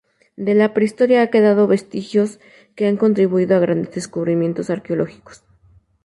De la prehistoria han quedado vestigios que han contribuido a grandes descubrimientos arqueológicos.